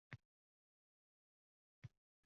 So`ng onamga